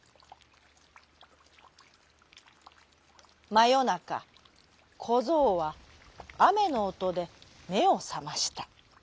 まよなかこぞうはあめのおとでめをさました。